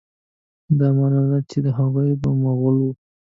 دا معنی نه ده چې هغوی به مغول وه.